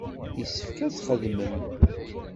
Yessefk ad txedmem.